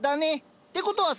ってことはさ